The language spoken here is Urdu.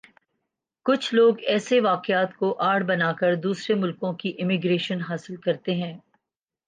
کُچھ لوگ ایسے واقعات کوآڑ بنا کردوسرے ملکوں کی امیگریشن حاصل کرتے ہیں